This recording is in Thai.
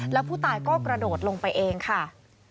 แล้วผู้ตายก็กระโดดลงไปเองค่ะ